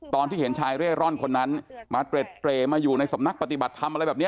ตอนที่เห็นชายเร่ร่อนคนนั้นมาเตรมาอยู่ในสำนักปฏิบัติธรรมอะไรแบบนี้